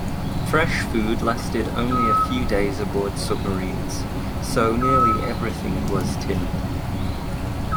Fresh food lasted only a few days aboard submarines so nearly everything was tinned.